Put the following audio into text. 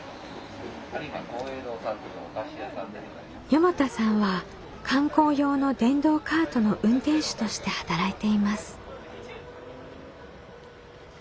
四方田さんは観光用の電動カートの運転手として働いています。